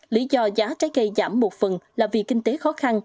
lý do giá trái cây giảm một phần là vì kinh tế khó khăn